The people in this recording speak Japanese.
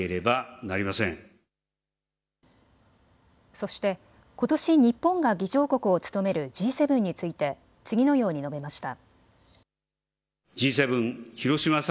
そして、ことし日本が議長国を務めるＧ７について次のように述べました。